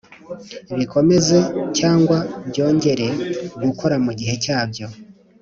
bikomeze cyangwa byongere gukora mu gihe cyabyo